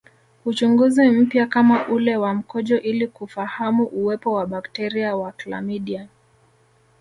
Uchunguzi mpya kama ule wa mkojo ili kufahamu uwepo wa bakteria wa klamidia